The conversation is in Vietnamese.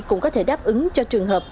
cũng có thể đáp ứng cho trường hợp